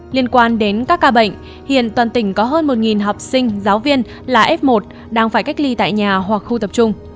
liên quan đến các ca bệnh hiện toàn tỉnh có hơn một học sinh giáo viên là f một đang phải cách ly tại nhà hoặc khu tập trung